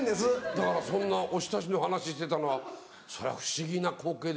だからそんなおひたしの話してたのはそれは不思議な光景ですよね。